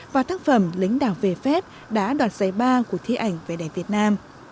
và tác phẩm lính đảo về phép đã đoạt giấy ba của thi ảnh về đại việt nam